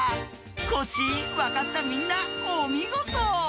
コッシーわかったみんなおみごと。